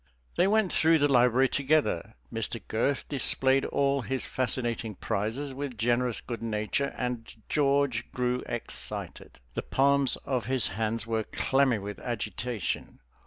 They went through the library together. Mr. Girth displayed all his fascinating prizes with generous good nature, and George grew excited. The palms of his hands were clammy with agitation.